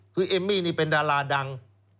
คือเอมมี่นี่เป็นดาราดัง